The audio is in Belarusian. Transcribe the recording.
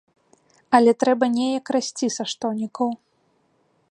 Але трэба неяк расці са штонікаў.